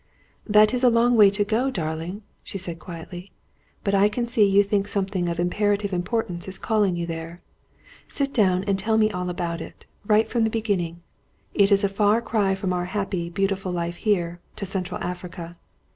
"That is a long way to want to go, darling," she said, quietly. "But I can see you think something of imperative importance is calling you there. Sit down and tell me all about it, right from the beginning. It is a far cry from our happy, beautiful life here, to Central Africa.